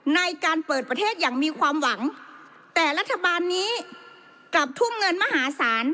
ในการเปิดประเทศอย่างมีความหวังแต่รัฐบาลนี้กลับทุ่มเงินมหาศาล